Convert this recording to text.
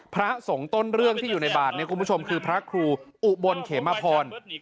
พระสงฆ์ต้นเรื่องที่อยู่ในบาทเนี่ยคุณผู้ชมคือพระครูอุบลเขมพร